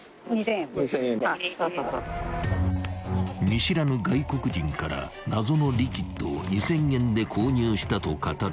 ［見知らぬ外国人から謎のリキッドを２，０００円で購入したと語る男］